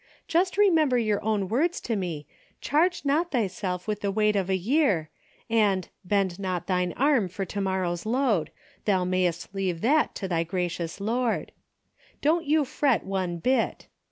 Just remember your own words to me 'Charge not thyself with the weight of a year ' and ' Bend not thine arm for to morrow's load. Thou mayst leave that to thy gracious Lord.' Don't you fret one bit.